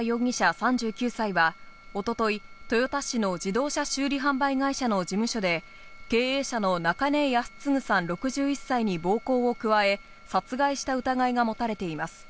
３９歳は一昨日、豊田市の自動車修理販売会社の事務所で、経営者の中根康継さん６１歳に暴行を加え殺害した疑いが持たれています。